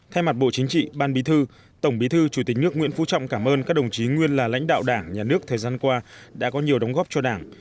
thay mặt bộ chính trị ban bí thư tổng bí thư chủ tịch nước nguyễn phú trọng cảm ơn các đồng chí nguyên là lãnh đạo đảng nhà nước thời gian qua đã có nhiều đóng góp cho đảng